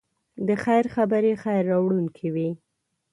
د خیر خبرې خیر راوړونکی وي.